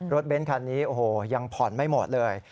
เบ้นคันนี้โอ้โหยังผ่อนไม่หมดเลย